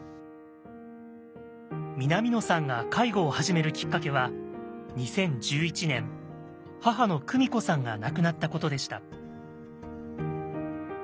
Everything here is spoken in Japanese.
南野さんが介護を始めるキッカケは２０１１年母の久美子さんが亡くなったことでした。